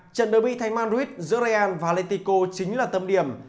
trận đối bi thái man ruiz giữa real và atletico chính là tâm điểm